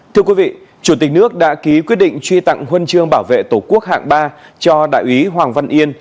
thưa quý vị chủ tịch nước đã ký quyết định truy tặng huân chương bảo vệ tổ quốc hạng ba cho đại úy hoàng văn yên